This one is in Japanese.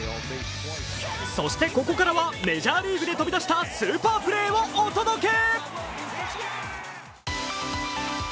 そして、ここからはメジャーリーグで飛び出したスーパープレーをお届け。